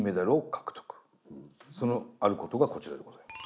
そのあることがこちらでございます。